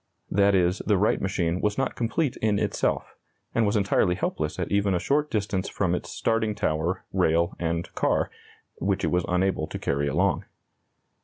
That is, the Wright machine was not complete in itself, and was entirely helpless at even a short distance from its starting tower, rail, and car, which it was unable to carry along.